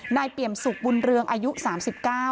นายเปรียมสุขบุญเรืองอายุ๓๙ปี